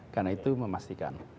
karena itu memastikan